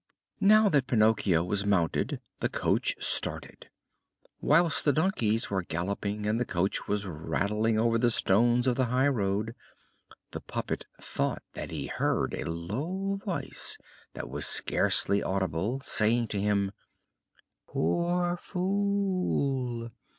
Now that Pinocchio was mounted, the coach started. Whilst the donkeys were galloping and the coach was rattling over the stones of the high road, the puppet thought that he heard a low voice that was scarcely audible saying to him: "Poor fool!